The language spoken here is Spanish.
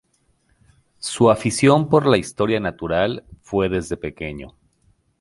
Su afición por la historia natural fue desde pequeño.